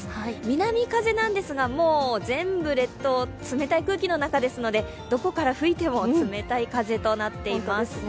南風なんですが、全部、列島、冷たい空気の中ですので、どこから吹いても冷たい風となっています。